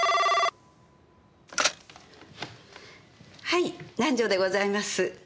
はい南条でございます。